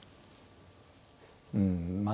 うんまあ